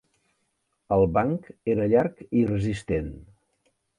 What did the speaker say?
El banc era llarg i resistent.